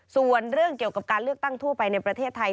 ส่วนเรื่องเกี่ยวกับการเลือกตั้งทั่วไปในประเทศไทย